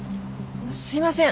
すいません。